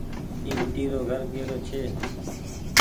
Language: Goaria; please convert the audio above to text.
اي ميٽي رو گهر ڪي رو ڇي۔